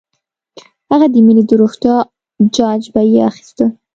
هغه د مينې د روغتيا جاج به یې اخيسته